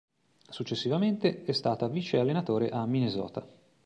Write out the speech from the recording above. Successivamente è stata vice-allenatore a Minnesota.